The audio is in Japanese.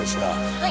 はい。